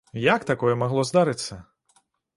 Як такое магло здарыцца?